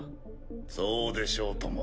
そうでしょうとも。